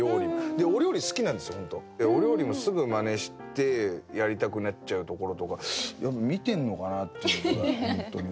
お料理もすぐ真似してやりたくなっちゃうところとか見てんのかなっていうぐらい本当に。